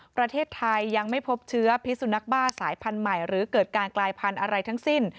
ประเทศไทยยังไม่พบเชื้อพิสุนักบ้าสายพันธุ์ใหม่หรือเกิดการกลายพันธุ์อะไรทั้งสิ้น